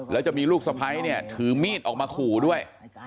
แล้วจะมีลูกสะพ้ายเนี่ยถือมีดออกมาขู่ด้วย